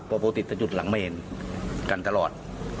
เพราะปกติจะจุดหลังเมนตลอด